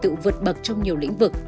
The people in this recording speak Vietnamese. thành tựu vượt bậc trong nhiều lĩnh vực